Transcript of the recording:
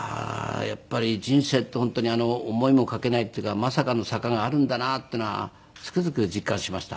やっぱり人生って本当に思いもかけないっていうかまさかの坂があるんだなっていうのはつくづく実感しました。